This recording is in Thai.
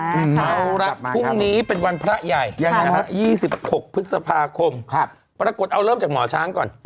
เอาละพรุ่งนี้เป็นวันพระใหญ่๒๖พฤษภาคมปรากฏเอาเริ่มจากหมอช้างก่อน